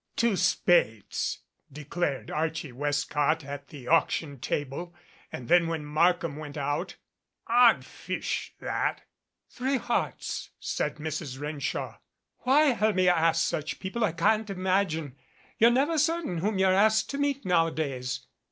"Two spades," declared Archie Westcott at the auc tion table, and then when Markham went out, "Odd fish that." "Three hearts," said Mrs. Renshaw. "Why Hermia asks such people I can't imagine. You're never certain whom you're asked to meet nowadays.